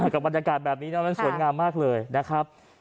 กับบรรยากาศแบบนี้นะมันสวยงามมากเลยนะครับ